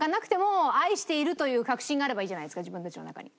自分たちの中に。